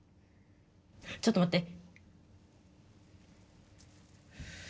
ちょっとまって！